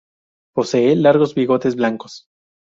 Posee largos bigotes blancos.